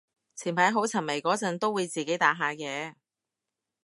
前排好沉迷嗰陣都會自己打下嘅